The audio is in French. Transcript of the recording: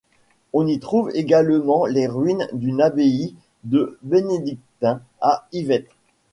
On y trouve également les ruines d'une abbaye de bénédictins à Yvette.